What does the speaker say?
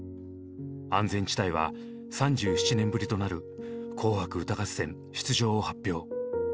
安全地帯は３７年ぶりとなる「紅白歌合戦」出場を発表。